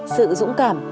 sự dũng cảm